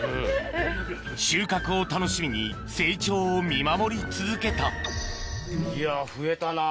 収穫を楽しみに成長を見守り続けたいや増えたな。